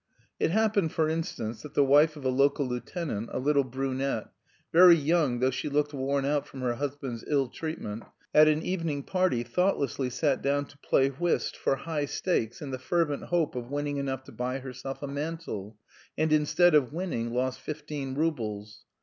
It happened, for instance, that the wife of a local lieutenant, a little brunette, very young though she looked worn out from her husband's ill treatment, at an evening party thoughtlessly sat down to play whist for high stakes in the fervent hope of winning enough to buy herself a mantle, and instead of winning, lost fifteen roubles.